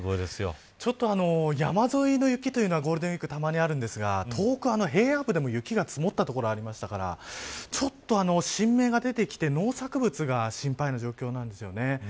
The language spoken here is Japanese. ちょっと、山沿いの雪というのはゴールデンウイークたまにあるんですが平野部でも雪が積もった所がありましたからちょっと新芽が出てきて農作物が心配な状況なんですよね。